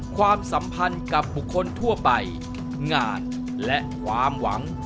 ความสัมพันธ์กับบุคคลทั่วไปงานและความหวัง